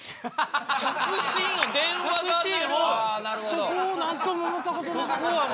そこをなんとも思ったことなかった。